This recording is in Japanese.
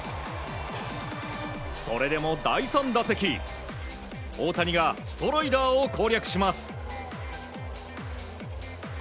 それでも、第３打席大谷がストライダーを攻略します。